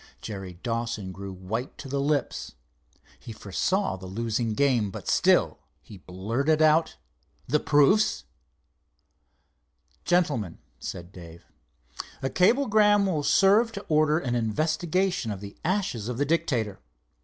Jerry Dawson grew white to the lips. He foresaw the losing game, but still he blurted out: "The proofs?" "Gentlemen," said Dave, "a cablegram will serve to order an investigation of the ashes of the Dictator.